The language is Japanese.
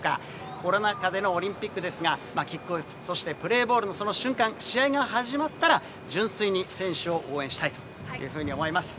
コロナ禍でのオリンピックですが、キックオフ、そしてプレーボールのその瞬間、試合が始まったら純粋に選手を応援したいというふうに思います。